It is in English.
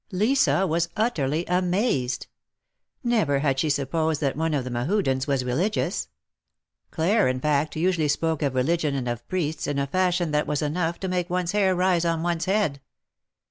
Lisa was utterly amazed. Never had she supposed that one of the Mehudens was religious. Claire, in fact, usually spoke of religion and of priests in a fashion that was enough to make one's hair rise on one's head.